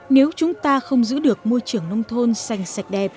nếu chúng ta không giữ được môi trường nông thôn xanh sạch đẹp